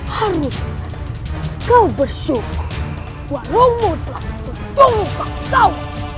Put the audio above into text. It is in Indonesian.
harus kau bersyukur warungmu telah ditutup muka kau